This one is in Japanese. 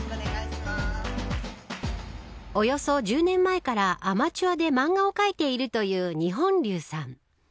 およそ１０年前からアマチュアで漫画を書いているという二本柳さん。